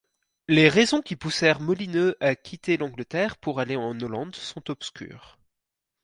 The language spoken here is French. Les raisons qui poussèrent Molyneux à quitter l'Angleterre pour aller en Hollande sont obscures.